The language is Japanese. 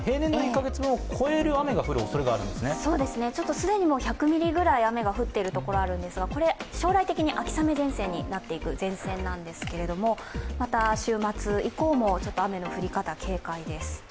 既に１００ミリぐらい雨が降っているところがあるんですがこれ、将来的に秋雨前線になっていく前線なんですけれども、また週末以降も雨の降り方、警戒です。